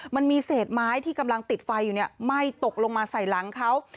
มันมีเศษไม้ที่กำลังติดไฟอยู่ไหม้ตกลงมาใส่หลังเขา